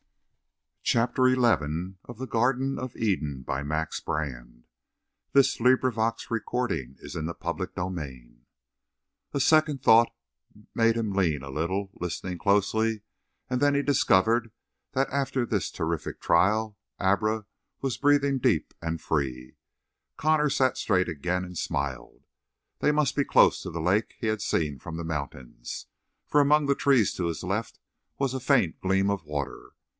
Connor, king of the racetracks of the world, with horses no handicapper could measure. CHAPTER ELEVEN A Second thought made him lean a little, listening closely, and then he discovered that after this terrific trial Abra was breathing deep and free. Connor sat straight again and smiled. They must be close to the lake he had seen from the mountain, for among the trees to his left was a faint gleam of water.